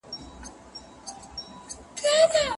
تورسترگې لاړې خو دا ستا د دې مئين شاعر ژوند